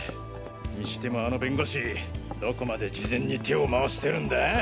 にしてもあの弁護士どこまで事前に手を回してるんだ？